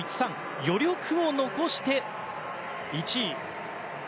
余力を残して１位。